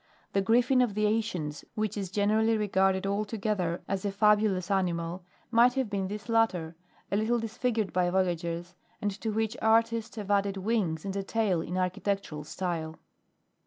The griffin of the ancients, which is generally regarded altogether as a fabulous animal, might have been this latter, a little disfigured by' voyagers, and to which artists have added wings and a tail in architectural style.